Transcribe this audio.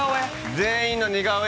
全員の似顔絵？